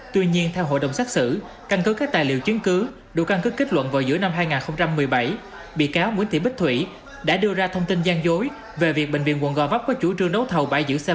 tuy nhiên theo hội đồng xác xử căn cứ các tài liệu chứng cứ đủ căn cứ kết luận vào giữa năm hai nghìn một mươi bảy bị cáo nguyễn thị bích thủy đã đưa ra thông tin gian dối về việc bệnh viện quận gò vấp có chủ trương đấu thầu bãi giữ xe